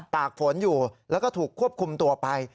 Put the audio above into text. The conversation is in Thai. ตากฝนอยู่แล้วก็ถูกควบคุมตัวไป